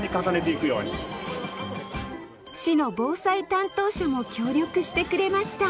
市の防災担当者も協力してくれました